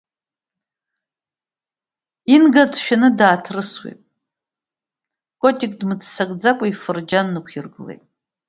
Инга дшәаны дааҭрысуеит, Котик дмыццакӡакәа ифырџьан нықәиргылеит.